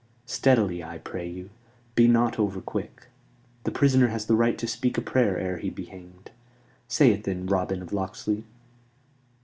Steadily, I pray you; be not over quick. The prisoner has the right to speak a prayer ere he be hanged. Say it then, Robin of Locksley."